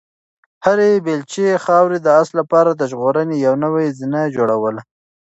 هرې بیلچې خاورې د آس لپاره د ژغورنې یوه نوې زینه جوړوله.